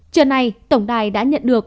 trưa nay tổng đài đã nhận được